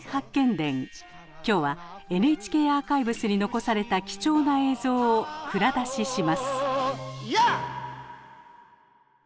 今日はＮＨＫアーカイブスに残された貴重な映像を蔵出しします。